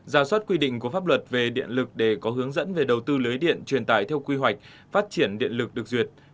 ra soát quy định của pháp luật về điện lực để có hướng dẫn về đầu tư lưới điện truyền tải theo quy hoạch phát triển điện lực được duyệt